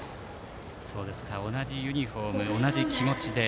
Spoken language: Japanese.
同じユニフォーム同じ気持ちで。